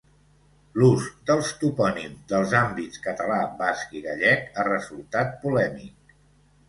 L'ús dels topònims dels àmbits català, basc i gallec ha resultat polèmic.